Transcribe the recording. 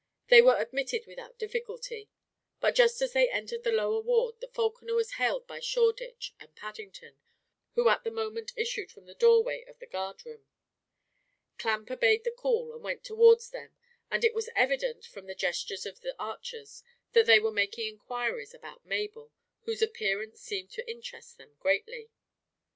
They were admitted without difficulty; but just as they entered the lower ward the falconer was hailed by Shoreditch and Paddington, who at the moment issued from the doorway of the guard room. Clamp obeyed the call and went towards them, and it was evident, from the gestures of the archers, that they were making inquiries about Mabel, whose appearance seemed to interest them greatly.